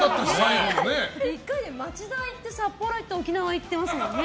１回で町田に行って札幌行って沖縄行ってますもんね。